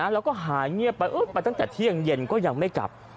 แล้วก็หายเงียบไปไปตั้งแต่เที่ยงเย็นก็ยังไม่กลับ